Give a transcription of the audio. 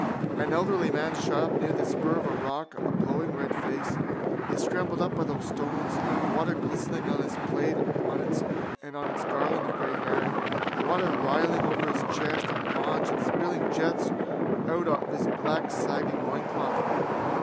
An elderly man shot up near the spur of rock a blowing red face. He scrambled up by the stones, water glistening on his pate and on its garland of grey hair, water rilling over his chest and paunch and spilling jets out of his black sagging loincloth.